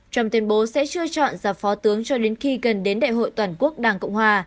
trong tuyên bố sẽ chưa chọn giả phó tướng cho đến khi gần đến đại hội toàn quốc đảng cộng hòa